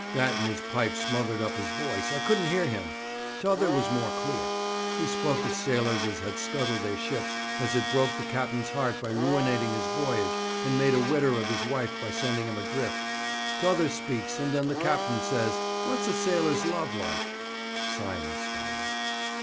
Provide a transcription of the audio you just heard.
That and his pipe smothered up his voice. I couldn't hear him. T'other was more clear. He spoke of sailors as had scuttled their ships, as had broke the cap'n's heart by ruinating his voyage, and made a widder of his wife by sending him adrift. T'other speaks, and then the cap'n says, "What's a sailor's love like?"' Silence followed.